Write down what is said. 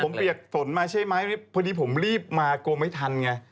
ผมเปียกฝนมาใช่ไหมพอดีผมรีบมากลัวไม่ทันไง